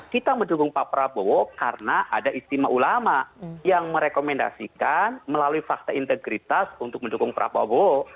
kita mendukung pak prabowo karena ada istimewa ulama yang merekomendasikan melalui fakta integritas untuk mendukung prabowo